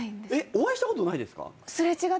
お会いしたことないですか？